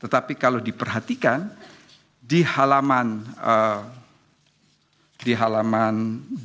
tapi kalau diperhatikan di halaman dua